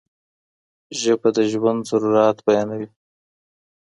ژبه د ژوند ضروريات بیانوي.